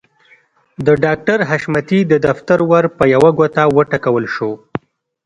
د ډاکټر حشمتي د دفتر ور په يوه ګوته وټکول شو.